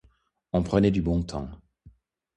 On prenait du bon temps.